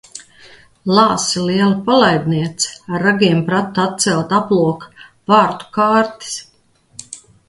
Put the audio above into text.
Lāse liela palaidniece ar ragiem prata atcelt aploka vārtu kārtis.